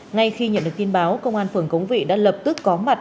ngay khi nhận được tin báo công an phường cống vị đã lập tức có mặt